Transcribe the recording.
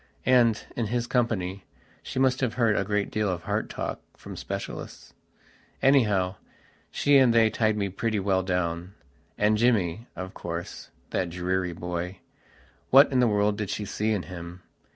And, in his company, she must have heard a great deal of heart talk from specialists. Anyhow, she and they tied me pretty well downand Jimmy, of course, that dreary boywhat in the world did she see in him?